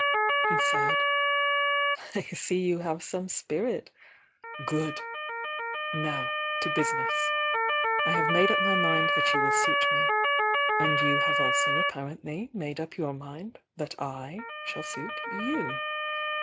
he said. "I see you have some spiriti Gc^d I Now, to business. I have made up my mind that you will suit me, — and you have also appar ently made up your mind that / shall suit you.